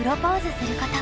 すること。